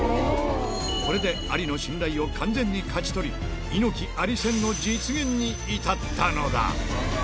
これでアリの信頼を完全に勝ち取り、猪木・アリ戦の実現に至ったのだ。